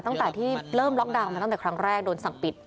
ตั้งแต่ที่เริ่มล็อกดาวน์มาตั้งแต่ครั้งแรกโดนสั่งปิด